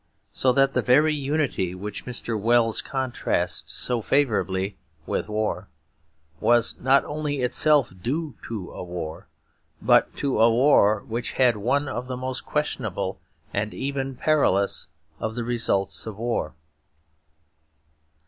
So that that very unity, which Mr. Wells contrasts so favourably with war, was not only itself due to a war, but to a war which had one of the most questionable and even perilous of the results of war.